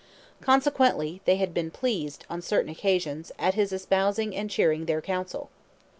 Consequently, they had been pleased, on certain occasions, at his espousing and cheering their counsel.